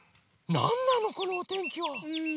なんなのこのおてんきは⁉うん。